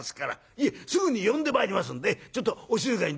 いえすぐに呼んでまいりますんでちょっとお静かに。